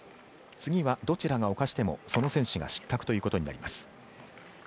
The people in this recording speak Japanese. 次はどちらが犯してもその選手が失格ということになります。